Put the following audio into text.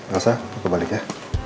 elsa aku balik ya